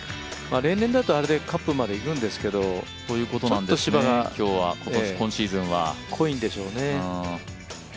例年だとあれでカップまで行くんですけどちょっと芝が濃いんでしょうね。